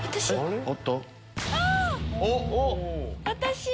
私？